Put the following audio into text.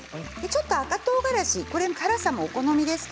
ちょっと赤とうがらし辛さもお好みです。